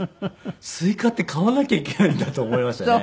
スイカって買わなきゃいけないんだと思いましたね。